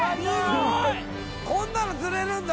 こんなの釣れるんだ。